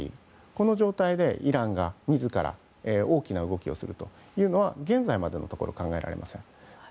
この状態でイランが自ら大きな動きをするというのは現在までのところ考えられません。